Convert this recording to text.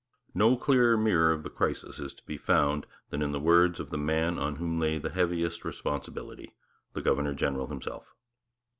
No clearer mirror of the crisis is to be found than in the words of the man on whom lay the heaviest responsibility, the governor general himself.